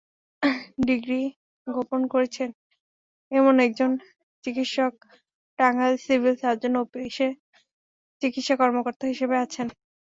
Degree গোপন করেছেন—এমন একজন চিকিৎসক টাঙ্গাইল সিভিল সার্জন অফিসে চিকিৎসা কর্মকর্তা হিসেবে আছেন।